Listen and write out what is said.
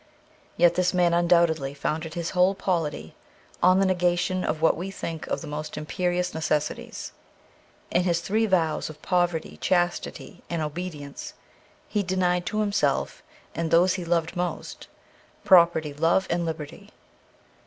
Yet this man undoubtedly founded his whole polity on the negation of what we think of the most imperious necessities ; in his three vows of poverty, chastity, and obedience he denied to himself, and those he loved most, property, love, and liberty.